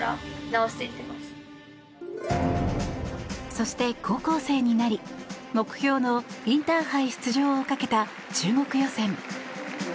そして、高校生になり目標のインターハイ出場をかけた中国予選。